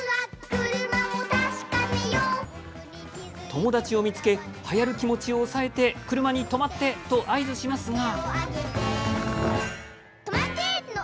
友達を見つけはやる気持ちを抑えて車に「止まって！」と合図しますが。